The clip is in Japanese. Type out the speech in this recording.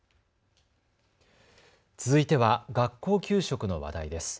続いては学校給食の話題です。